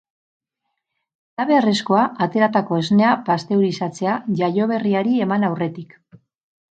Ez da beharrezkoa ateratako esnea pasteurizatzea jaioberriari eman aurretik.